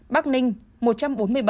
bắc ninh một trăm bốn mươi bảy